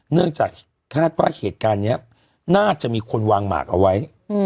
เนื่องจากคาดว่าเหตุการณ์นี้น่าจะมีคนวางหมากเอาไว้